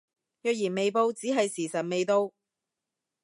若然未報只係時辰未到